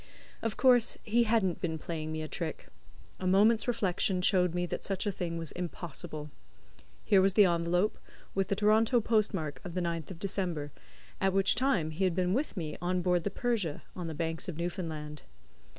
Of course he hadn't been playing me a trick. A moment's reflection showed me that such a thing was impossible. Here was the envelope, with the Toronto post mark of the 9th of December, at which time he had been with me on board the Persia, on the Banks of Newfoundland.